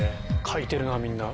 書いてるなみんな。